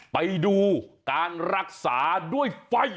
ไปดูการรักษาด้วยไฟ